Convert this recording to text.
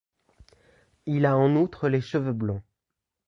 Il a en outre les cheveux blonds.